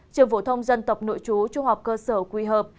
trường phổ thông dân tộc nội chú trung học cơ sở quy hợp